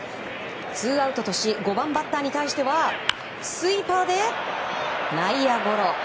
ツーアウトとし５番バッターに対してはスイーパーで内野ゴロ。